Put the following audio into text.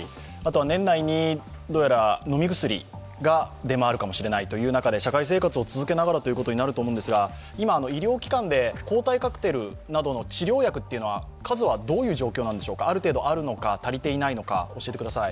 年内に飲み薬が出回るかもしれないという中で社会生活を続けながらとなると思いますが、今、医療機関で抗体カクテルなどの治療薬の数はどういう状況なんでしょうかある程度あるのか、足りていないのか教えてください。